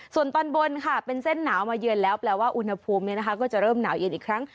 ส่วนตอนบนค่ะเป็นเส้นหนาวมาเยือนแล้วแปลว่าอุณหภูมิก็จะเริ่มหนาวเย็นอีกครั้ง